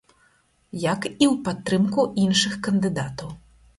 Як і ў падтрымку іншых кандыдатаў.